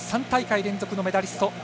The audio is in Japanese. ３大会連続のメダリスト。